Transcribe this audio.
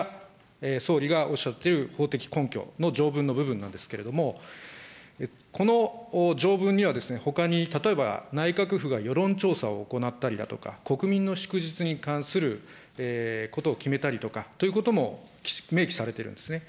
これが、総理がおっしゃっている法的根拠の条文の部分なんですけれども、この条文にはほかに例えば、内閣府が世論調査を行ったりだとか、国民の祝日に関することを決めたりとか、というものも明記されているんですね。